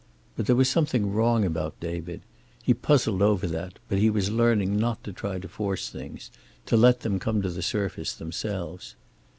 But there was something wrong about David. He puzzled over that, but he was learning not to try to force things, to let them come to the surface themselves.